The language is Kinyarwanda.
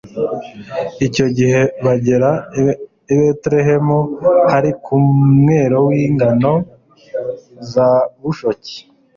icyo gihe bagera i betelehemu, hari ku mwero w'ingano za bushoki